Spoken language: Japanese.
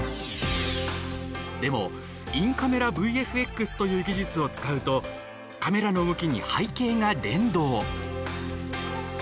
でも、インカメラＶＦＸという技術を使うとカメラの動きに背景が連動。